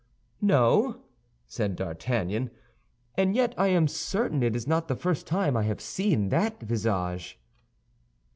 "No," said D'Artagnan, "and yet I am certain it is not the first time I have seen that visage."